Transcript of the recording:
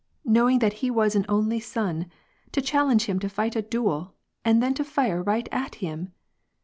Knowing that he was an only son, to challenge him to fight a duel, and then to fire right at him